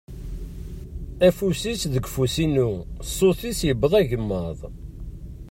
Afus-is deg ufus-inu, ṣṣut-is yewweḍ agemmaḍ.